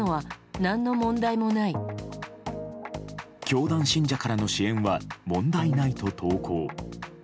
教団信者からの支援は問題ないと投稿。